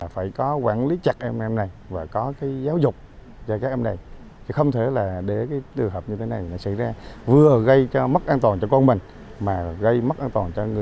phải có quản lý chặt